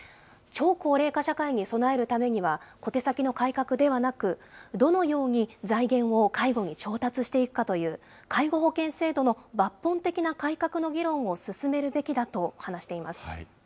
超高齢化社会に備えるためには、小手先の改革ではなく、どのように財源を介護に調達していくかという介護保険制度の抜本的な改革の議論を進めるべきだと話しています。